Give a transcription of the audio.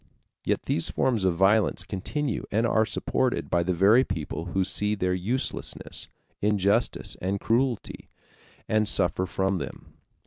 Yet these forms of violence continue and are supported by the very people who see their uselessness, injustice, and cruelty, and suffer from them.